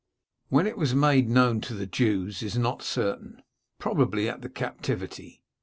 When it was made known to the Jews is not certain ; probably at the captivity.